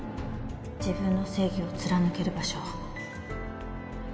自分の正義を貫ける場所。